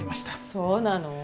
そうなの？